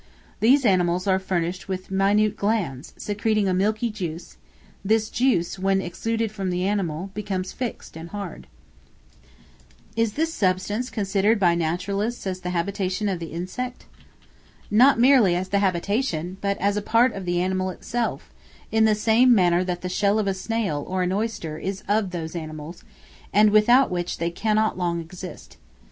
These animals are furnished with minute glands, secreting a milky juice; this juice, when exuded from the animal, becomes fixed and hard. Series, a course or continued succession. Glands, vessels. Exuded, from exude, to flow out. Is this substance considered by naturalists as the habitation of the Insect? Not merely as the habitation, but as a part of the animal itself, in the same manner that the shell of a snail or an oyster is of those animals, and without which they cannot long exist.